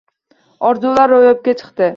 Orzular ro‘yobga chiqdi